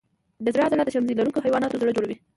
د زړه عضله د شمزۍ لرونکو حیواناتو زړه جوړوي.